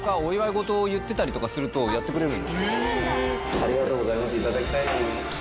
ありがとうございますいただきたいと思います。